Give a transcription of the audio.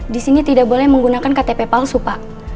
disini tidak boleh menggunakan ktp palsu pak